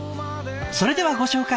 それではご紹介。